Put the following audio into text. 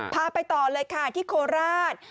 พาไปต่อเลยค่ะที่โคราช